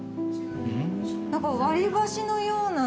何か割り箸のような。